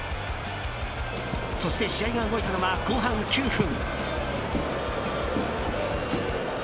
そして試合が動いたのは後半９分。